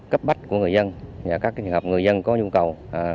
cấp bách của người dân và các trường hợp người dân có nhu cầu